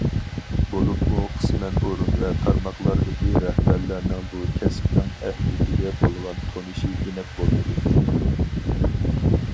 بولۇپمۇ، قىسمەن ئورۇن ۋە تارماقلاردىكى رەھبەرلەرنىڭ بۇ كەسىپنىڭ ئەھمىيىتىگە بولغان تونۇشى ئېنىق بولمىدى.